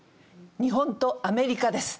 日本とアメリカです。